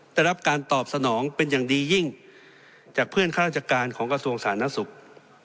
ได้รับการตอบสนองเป็นอย่างดียิ่งจากเพื่อนข้าราชการของกระทรวงสาธารณสุข